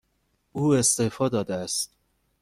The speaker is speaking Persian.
او استعفا داده است.